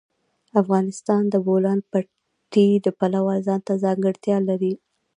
افغانستان د د بولان پټي د پلوه ځانته ځانګړتیا لري.